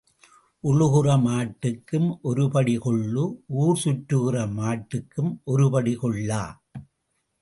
உழுகிற மாட்டுக்கும் ஒரு படி கொள்ளு ஊர் சுற்றுகிற மாட்டுக்கும் ஒரு படி கொள்ளா?